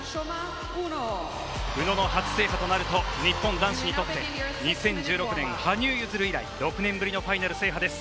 宇野の初制覇となると日本男子にとって２０１６年、羽生結弦以来６年ぶりのファイナル制覇です。